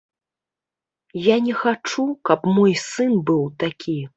Я не хачу, каб мой сын быў такі.